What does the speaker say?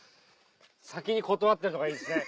先に断ってるとこがいいですね。